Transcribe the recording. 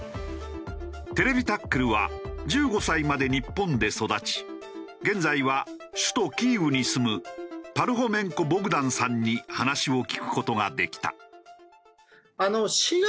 『ＴＶタックル』は１５歳まで日本で育ち現在は首都キーウに住むパルホメンコ・ボグダンさんに話を聞く事ができた。